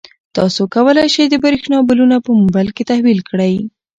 تاسو کولای شئ د برښنا بلونه په موبایل کې تحویل کړئ.